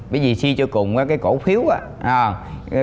bởi vì si cho cùng cái cổ phiếu đó